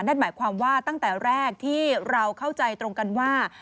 นั่นหมายความว่าตั้งแต่แรกที่เราเข้าใจตรงกันว่า